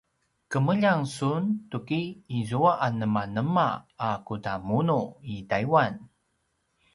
kemeljang sun tuki izua anemanema a kudamunu i taiwan?